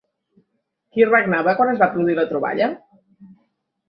Qui regnava quan es va produir la troballa?